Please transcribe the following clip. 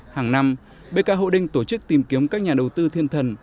hàng năm bk hậu đinh tổ chức tìm kiếm các nhà đầu tư thiên thần